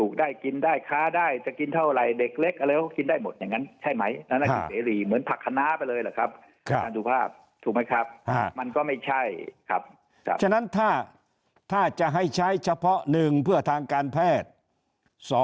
ถูกไหมครับฮะมันก็ไม่ใช่ครับครับฉะนั้นถ้าถ้าจะให้ใช้เฉพาะ๑เพื่อโดยทางการแพทย์